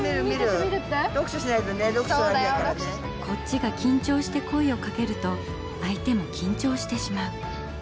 こっちが緊張して声をかけると相手も緊張してしまう。